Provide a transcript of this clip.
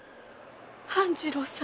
半次郎様。